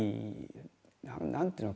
何ていうのかな。